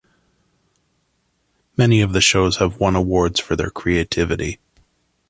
Many of the shows have won awards for their creativity.